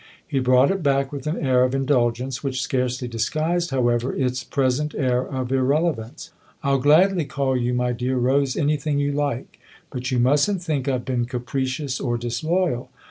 He brought it back with an air of indulgence which scarcely disguised, however, its present air of irrelevance. " I'll gladly call you, my dear Rose, anything you like, but you mustn't think I've been capricious or disloyal.